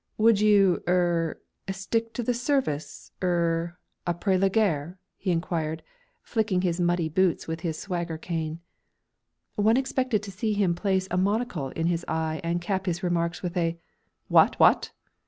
"Will you er stick to the Service er après la guerre?" he inquired, flicking his muddy boots with his swagger cane. One expected to see him place a monocle in his eye and cap his remarks with a "What what?"